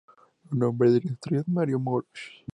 Un nombre en las estrellas Mario Amorós.